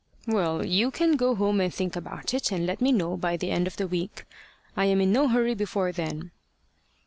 "Well, you can go home and think about it, and let me know by the end of the week. I am in no hurry before then."